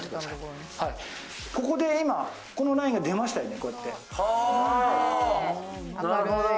ここで今、このラインが出ましたよね。